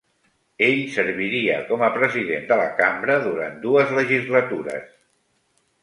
Ell serviria com a President de la Cambra durant dues legislatures.